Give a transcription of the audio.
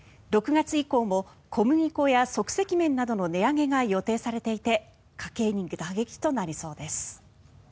６月以降も小麦粉や即席麺などの値上げが予定されていて家計に打撃となりそうです。